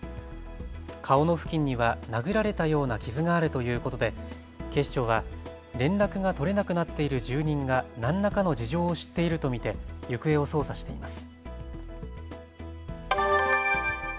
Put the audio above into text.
顔の付近には殴られたような傷があるということで警視庁は連絡が取れなくなっている住人が何らかの事情を知っていると見て行方を捜査しています。